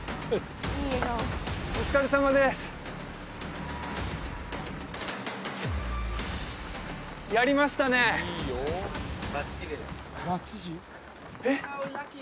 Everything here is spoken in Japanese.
お疲れさまですやりましたねばっちりですえっ？